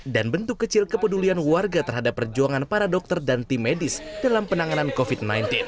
dan bentuk kecil kepedulian warga terhadap perjuangan para dokter dan tim medis dalam penanganan covid sembilan belas